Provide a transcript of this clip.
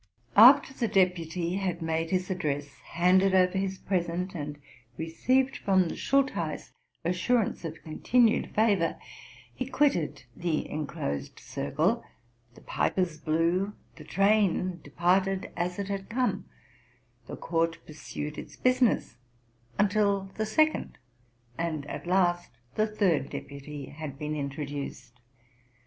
After the deputy had made his address, handed over his present, and received from the Schultheiss assurance of con tinued favor, he quitted the enclosed circle, the pipers blew, the train departed as it had come, the court pursued its busi ness, until the second and at last the third deputy had been introduced.